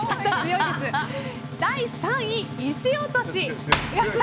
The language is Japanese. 第３位、石落とし。